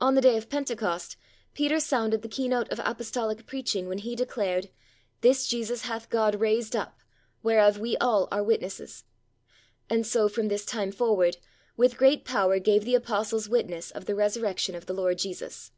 On the day of Pentecost Peter sounded the keynote of Apostolic preaching when he declared, "This Jesus hath God raised up, whereof we all are witnesses." And so from this time forward, "with great power gave the Apostles witness of the resurrection of the Lord Jesus."